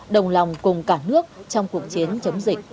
đồng lòng cùng cả nước trong cuộc chiến chống dịch